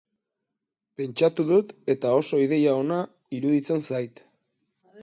Pentsatu dut, eta oso Idea ona iruditzen zait